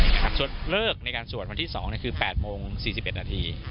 ชดเลิกในการสวดวันที่๒คือ๘โมง๔๑นาที